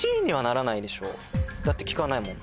だって聞かないもん